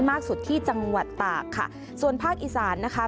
มากสุดที่จังหวัดตากค่ะส่วนภาคอีสานนะคะ